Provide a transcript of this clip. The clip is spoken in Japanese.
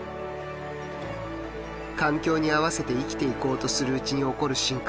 環境に合わせて生きていこうとするうちに起こる進化。